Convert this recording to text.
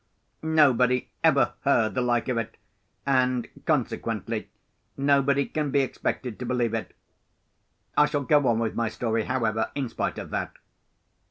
Nobody ever heard the like of it, and, consequently, nobody can be expected to believe it. I shall go on with my story, however, in spite of that.